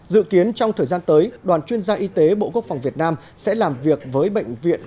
dự kiến trong thời gian tới đoàn chuyên gia y tế bộ quốc phòng việt nam sẽ làm việc với bệnh viện